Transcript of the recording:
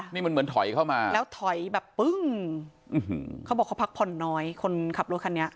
นี่มันเหมือนถอยเข้ามาแล้วถอยแบบปึ้งเขาบอกเขาพักผ่อนน้อยคนขับรถคันนี้